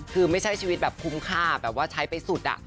คือไม่ใช่ชีวิตแบบคุ้มค่าแบบว่าใช้ไปสุด